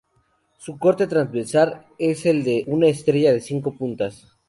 Su corte transversal es el de una estrella de cinco puntas.